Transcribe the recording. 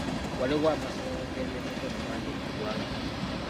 Waliwo amasomero g'ebyemikono mangi mu ggwanga.